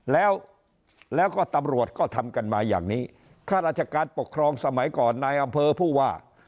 แล้วก็ตำรวจก็ทำกันมาอย่างนี้ข้าราชการปกครองสมัยก่อนนายอำเภอผู้ว่า